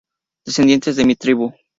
Descendientes de mi tribu.